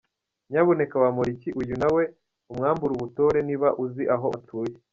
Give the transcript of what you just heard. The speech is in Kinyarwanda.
Nyabuneka Bamporiki uyu nawe umwambure ubutore niba uzi aho atuye.